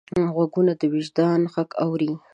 غوږونه د وجدان غږ اوري